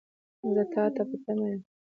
زه تا ته په تمه یم .